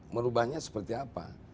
merubahnya seperti apa